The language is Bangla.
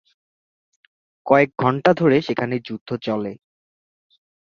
কয়েক ঘণ্টা ধরে সেখানে যুদ্ধ চলে।